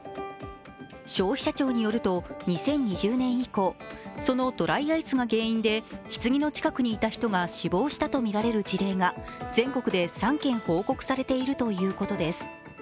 消費者庁によると、２０２０年以降、そのドライアイスが原因で棺の近くにいた人が死亡したとみられる事例が全国で３件報告されているといいます。